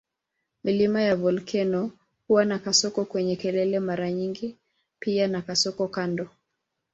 Milima ya volkeno huwa na kasoko kwenye kelele mara nyingi pia na kasoko kando.